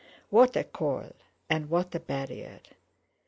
What a coil, and what a barrier!